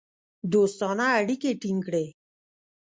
دوستانه اړیکې ټینګ کړې.